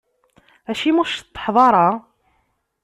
Acimi ur tceṭṭḥeḍ ara?